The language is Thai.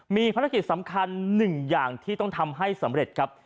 มีภารกิจสำคัญหนึ่งอย่างที่ต้องทำให้สำเร็จครับ